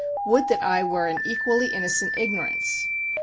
Would that I were in equally innocent ignorance!